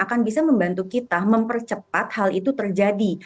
akan bisa membantu kita mempercepat hal itu terjadi